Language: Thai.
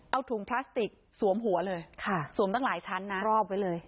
เอาถุงพลาสติกสวมหัวเลยค่ะสวมตั้งหลายชั้นนะรอบไว้เลย